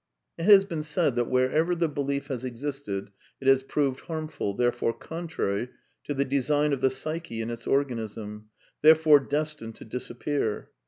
It has been said that wherever the belief has existed it has proved harmful, therefore contrary to the design of the psyche and its organism, therefore destined to disappear.